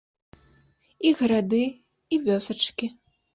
І гарады, і вёсачкі.